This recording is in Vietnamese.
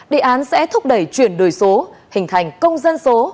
đề án sẽ thúc đẩy chuyển đổi số hình thành công dân số